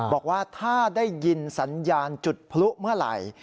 บอกว่าถ้าได้ยินสัญญาณจุดพลุเมื่อไหร่